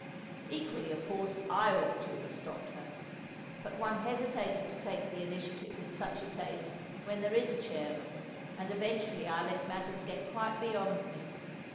Equally, of course, I ought to have stopped her; but one hesitates to take the initiative in such a case when there is a chairman, and eventually I let matters get quite beyond me.